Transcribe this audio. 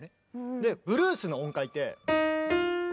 でブルースの音階って。